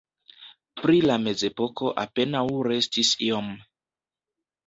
Pri la mezepoko apenaŭ restis iom.